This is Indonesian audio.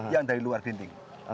yang dari luar gerinting